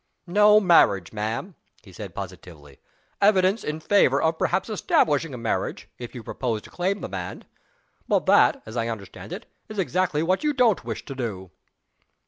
"No marriage, ma'am," he said, positively. "Evidence in favor of perhaps establishing a marriage, if you propose to claim the man. But that, as I understand it, is exactly what you don't wish to do."